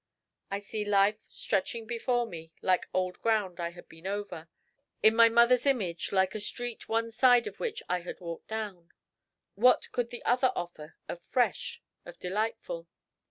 I see life stretching before me like old ground I had been over in my mother's image like a street one side of which I had walked down. What could the other offer of fresh, of delightful?